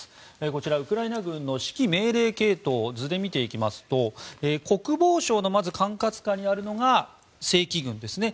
こちらウクライナ軍の指揮命令系統を図で見ていきますと国防省の管轄下にあるのが正規軍ですね。